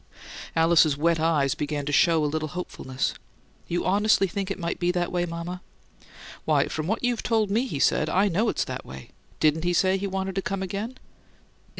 Alice's wet eyes began to show a little hopefulness. "You honestly think it might be that way, mama?" "Why, from what you've told me he said, I KNOW it's that way. Didn't he say he wanted to come again?"